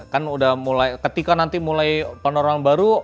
kan udah mulai ketika nanti mulai penerangan baru